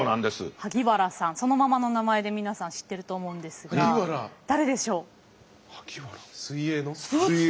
萩原さんそのままのおなまえで皆さん知ってると思うんですが誰でしょう？